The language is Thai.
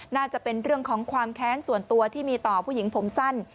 น่าจะเป็นเรื่องของความแค้นส่วนตัวที่มีต่อผู้หญิงผมสั้น